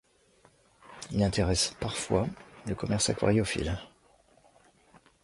Il intéresse parfois le commerce aquariophile.